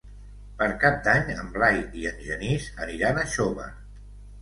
Per Cap d'Any en Blai i en Genís aniran a Xóvar.